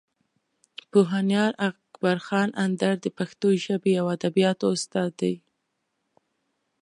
پوهنیار اکبر خان اندړ د پښتو ژبې او ادبیاتو استاد دی.